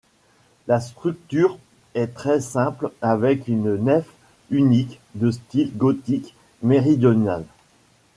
La structure est très simple avec une nef unique, de style gothique méridional.